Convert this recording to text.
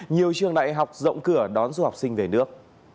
nhiều trường đại học rộng cửa đón du học sinh về nước